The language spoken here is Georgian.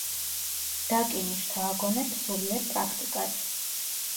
დაკინი შთააგონებს სულიერ პრაქტიკას.